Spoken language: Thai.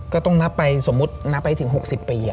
ก็ต้องนับไปสมมุตินับให้ถึง๖๐ปี